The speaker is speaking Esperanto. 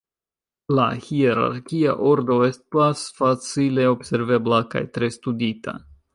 La hierarkia ordo estas facile observebla kaj tre studita.